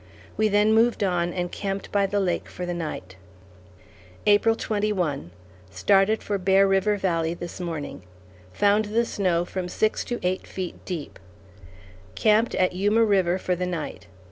We then moved on and camped by the lake for the night. April 21. Started for Bear River Valley this morning. Found the snow from six to eight feet deep; camped at Yuma River for the night.